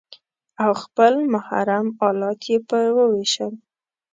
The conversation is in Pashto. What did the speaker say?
او خپل محرم الات يې په وويشتل.